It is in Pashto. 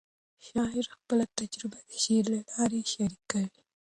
شاعر خپل تجربه د شعر له لارې شریکوي.